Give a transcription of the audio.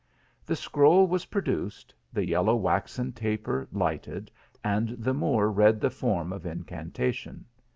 The scroll was produced, the yellow waxen taper lighted, and the Moor read the form of incantation.